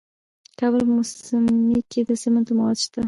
د کابل په موسهي کې د سمنټو مواد شته.